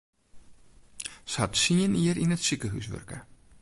Se hat tsien jier yn it sikehús wurke.